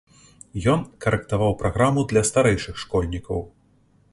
Ён карэктаваў праграму для старэйшых школьнікаў.